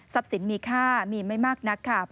ทรัพย์สิทธิ์มีค่ามีไม่มากนักค่ะ